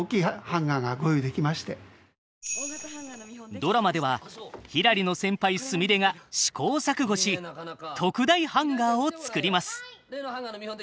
ドラマではひらりの先輩すみれが試行錯誤し特大ハンガーを作ります。